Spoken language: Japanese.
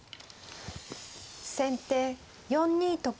先手４二と金。